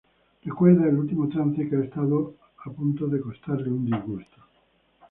Recuerda el último trance que ha estado a punto de costarle un disgusto.